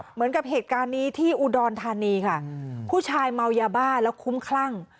เหมือนกับเหตุการณ์นี้ที่อุดรธานีค่ะผู้ชายเมายาบ้าแล้วคุ้มคลั่ง